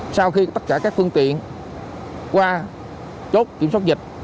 sau khi tất cả các phương tiện qua chốt kiểm soát dịch